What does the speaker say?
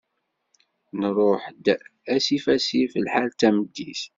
Nruḥ-d asif asif, lḥal d tameddit.